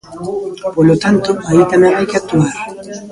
Polo tanto aí tamén hai que actuar.